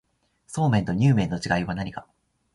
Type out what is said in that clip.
そうめんとにゅう麵の違いは何か